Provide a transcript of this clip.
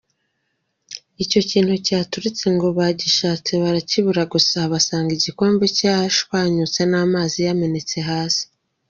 Icyo kintu cyaturitse ngo baragishatse barakibura gusa basanga igikombe cyashwanyutse n’amazi yamenetse hasi.